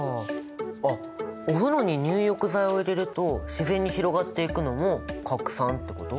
あっお風呂に入浴剤を入れると自然に広がっていくのも拡散ってこと！？